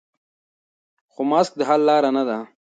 خو ماسک د حل لاره نه ده.